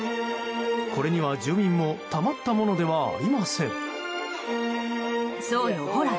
これには住民もたまったものではありません。